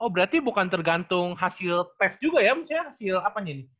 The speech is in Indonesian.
oh berarti bukan tergantung hasil tes juga ya maksudnya hasil apanya ini